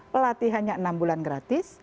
pelatihannya enam bulan gratis